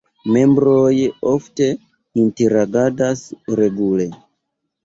Membroj ofte interagadas regule.